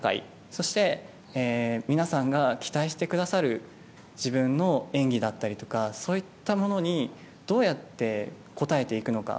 そして、皆さんが期待してくださる、自分の演技だったりとかそういったものにどうやって応えていくのか。